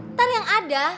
ntar yang ada